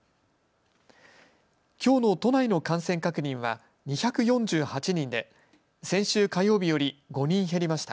きょうの都内の感染確認は２４８人で先週火曜日より５人減りました。